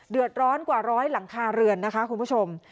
เดือดร้อนกว่าร้อยหลังคาเรือนนะคะคุณผู้ชม